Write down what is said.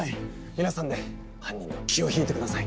皆さんで犯人の気を引いてください。